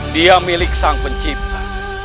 dia milik sang pencipta